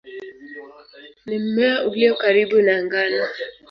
Ni mmea ulio karibu na ngano.